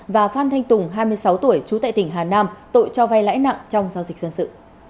và phan thanh tùng hai mươi sáu tuổi trú tại tỉnh hà nam tội cho vay lãi nặng trong giao dịch dân sự